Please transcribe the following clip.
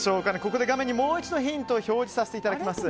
ここで画面にもう一度ヒントを表示させていただきます。